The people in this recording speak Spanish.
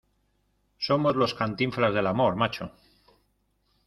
somos los Cantinflas del amor, macho.